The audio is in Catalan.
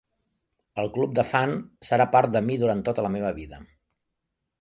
El Club de Fan serà part de mi durant tota la meva vida.